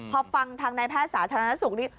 พอฟังทางนายแพทย์สาธารณสุขนี่